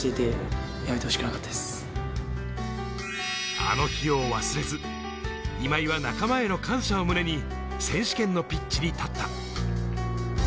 あの日を忘れず、今井は仲間への感謝を胸に選手権のピッチに立った。